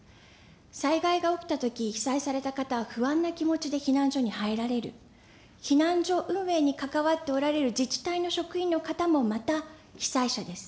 災害が起きたとき、被災された方は、不安な気持ちで避難所に入られる、避難所運営に関わっておられる自治体の職員の方もまた被災者です。